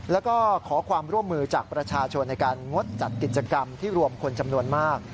แล้วก็ขอความร่วมมือจากประชาชนในการงดจัดกิจกรรมที่รวมคนจำนวนมาก